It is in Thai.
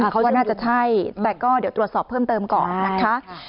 เขาว่าน่าจะใช่แต่ก็เดี๋ยวตรวจสอบเพิ่มเติมก่อนนะคะ